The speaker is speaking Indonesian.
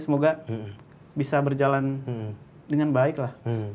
semoga bisa berjalan dengan baik lah